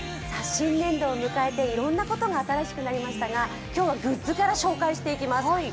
新年度を迎えていろんなことが新しくなりましたが、今日はグッズから紹介していきます。